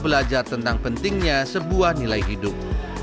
belajar tentang pentingnya sebuah nilai hidup